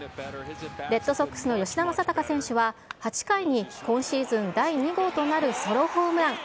レッドソックスの吉田正尚選手は、８回に今シーズン第２号となるソロホームラン。